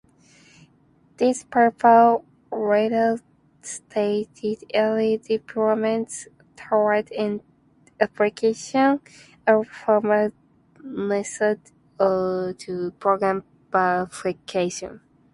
These papers represented early developments towards the application of formal methods to program verification.